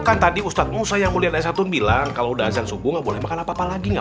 kan tadi ustadz musa yang mulia dan satun bilang kalau udah azan subuh boleh makan apa lagi nggak